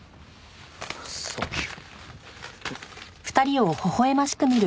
サンキュー。